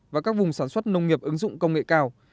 và các vùng sản xuất nông nghiệp ứng dụng công nghệ cao